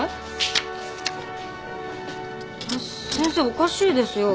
おかしいですよ。